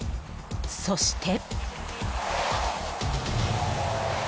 そして。